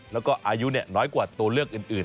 แล้วก็อายุน้อยกว่าตัวเลือกอื่น